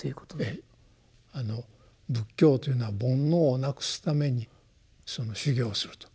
ええあの仏教というのは煩悩をなくすために修行すると。